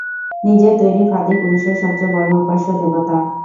নিজের তৈরি ফাঁদই পুরুষের সব চেয়ে বড়ো উপাস্য দেবতা।